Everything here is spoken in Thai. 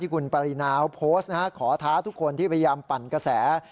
คุณปรินาโพสต์ขอท้าทุกคนที่พยายามปั่นกระแส